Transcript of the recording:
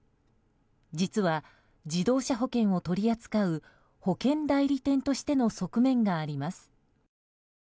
実は自動車保険を取り扱う保険代理店としての側面があります。